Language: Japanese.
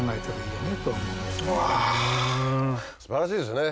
素晴らしいですね